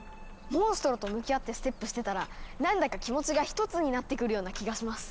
モンストロと向き合ってステップしてたら何だか気持ちが１つになってくるような気がします。